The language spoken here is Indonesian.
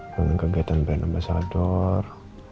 mengingat kegiatan brand ambasador